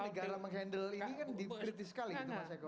negara menghandle ini kan dikritis sekali gitu mas eko